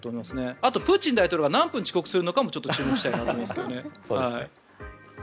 あと、プーチン大統領が何分遅刻するのかも注目したいと思います。